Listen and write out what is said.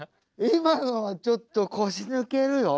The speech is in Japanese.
今のはちょっと腰抜けるよ。